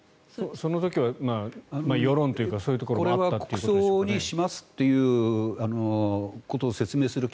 その時は世論というかそういうところがあったということでしょうね。